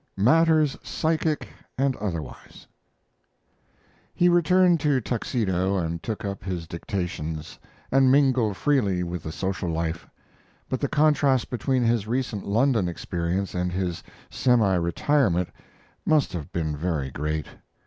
MATTERS PSYCHIC AND OTHERWISE He returned to Tuxedo and took up his dictations, and mingled freely with the social life; but the contrast between his recent London experience and his semi retirement must have been very great.